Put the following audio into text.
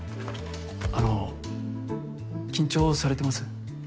あの緊張されてます？